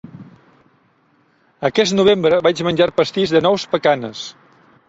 Aquest novembre vaig menjar pastís de nous pecanes.